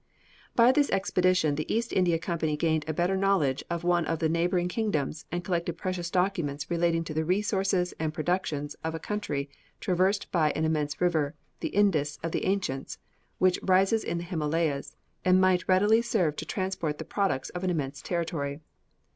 By this expedition the East India Company gained a better knowledge of one of the neighbouring kingdoms, and collected precious documents relating to the resources and productions of a country traversed by an immense river, the Indus of the ancients, which rises in the Himalayas, and might readily serve to transport the products of an immense territory.